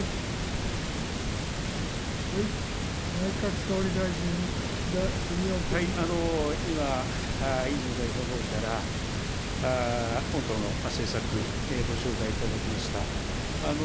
内閣総理大臣、今、泉代表のほうから、御党の政策、ご紹介いただきました。